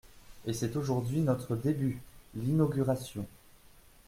Et c’est aujourd’hui notre début… l’inauguration.